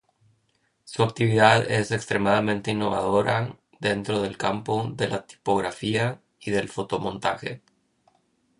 Su actividad es extremadamente innovadora dentro del campo de la tipografía y del fotomontaje.